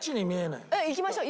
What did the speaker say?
いきましょう。